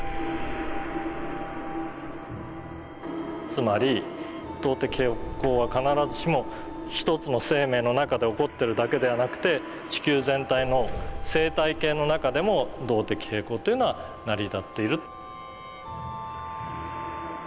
つまり動的平衡は必ずしも一つの生命の中で起こってるだけではなくて地球全体の生態系の中でも動的平衡というのは成り立っている。